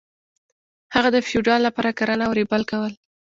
هغه د فیوډال لپاره کرنه او ریبل کول.